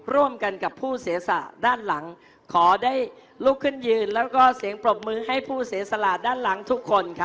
ร่วมกันกับผู้เสียสละด้านหลังขอได้ลุกขึ้นยืนแล้วก็เสียงปรบมือให้ผู้เสียสละด้านหลังทุกคนค่ะ